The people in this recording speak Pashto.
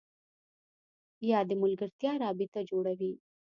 یا د ملګرتیا رابطه جوړوي